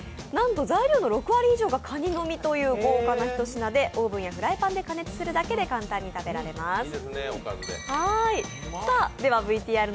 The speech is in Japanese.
なんと材料の６割以上が、かにの身とう豪華食材で、オーブンやフライパンで加熱するだけで簡単に食べられます。